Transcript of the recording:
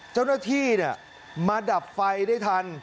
เจ้าหน้าที่มาดับไฟได้ทัน